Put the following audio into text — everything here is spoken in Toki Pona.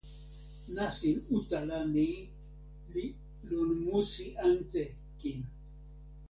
nasin utala ni li lon musi ante kin.